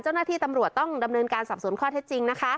เจ้าหน้าที่ตำรวจต้องดำเนินการสอบสวนข้อเท็จจริงนะคะ